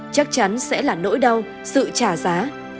chắc chắn sẽ là nỗi đau sự trả giá